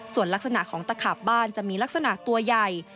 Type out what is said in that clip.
ส่วนลักษณะของตะขาบบ้านจะมีลักษณะตัวใหญ่